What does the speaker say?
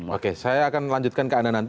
oke saya akan lanjutkan ke anda nanti